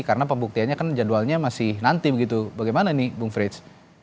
karena pembuktiannya kan jadwalnya masih nanti begitu bagaimana nih bung frits